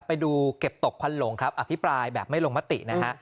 ไปดูเก็บตกควันหลงครับอภิปรายแบบไม่ลงมตินะฮะ